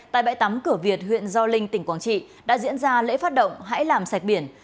tại bãi tắm cửa việt huyện gio linh tỉnh quảng trị đã diễn ra lễ phát động hãy làm sạch biển